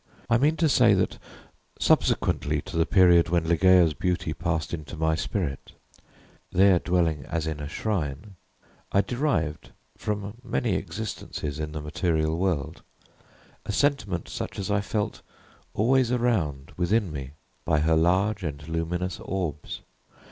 I mean to say that, subsequently to the period when Ligeia's beauty passed into my spirit, there dwelling as in a shrine, I derived, from many existences in the material world, a sentiment such as I felt always around, within me, by her large and luminous orbs.